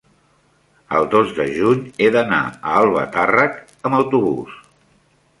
el dos de juny he d'anar a Albatàrrec amb autobús.